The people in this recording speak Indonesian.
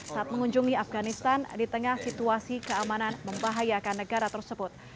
saat mengunjungi afganistan di tengah situasi keamanan membahayakan negara tersebut